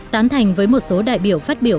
tán thành với một số đại biểu phát biểu